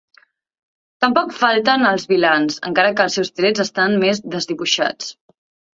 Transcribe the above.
Tampoc falten els vilans, encara que els seus trets estan més desdibuixats.